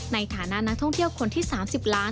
ในฐานะนักท่องเที่ยวคนที่๓๐ล้าน